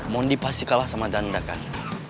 mondi pasti kalah sama ganda kan